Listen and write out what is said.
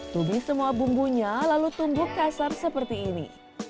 tubih semua bumbunya lalu tumbuk kasar seperti ini